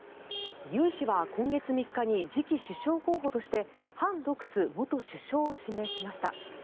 尹氏は今月３日に次期首相候補としてハン・ドクス元首相を指名しました。